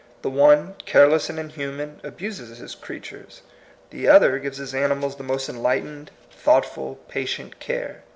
The one, careless and inhuman, abuses his creatures. The other gives his animals the most enlightened, thoughtful, patient care.